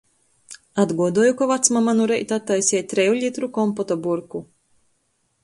Atguodoju, ka vacmama nu reita attaiseja treju litru kompota burku.